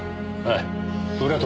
はい。